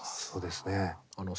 そうですね。